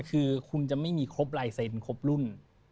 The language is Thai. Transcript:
คือคุณจะไม่มีครบลายเซ็นต์ครบรุ่น